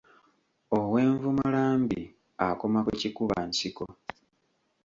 Ow’envumula mbi akoma ku kikuba nsiko.